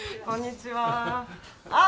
こんにちは。